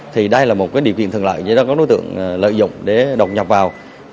thì đây là một điều kiện thường lợi cho các đối tượng lợi dụng để đột nhập vào